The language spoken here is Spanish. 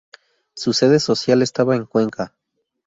Su sede social estaba en Cuenca.